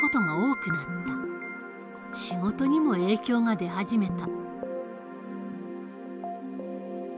仕事にも影響が出始めた。